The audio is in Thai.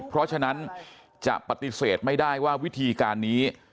เพราะฉะนั้นจะปฏิเสธไม่ได้ว่าวิธีการนี้